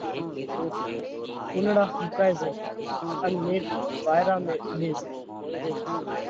ڦُولڙا ۿُوڪائي زائت ان نيٺ وائيرا ۾ اُوڏي زائت۔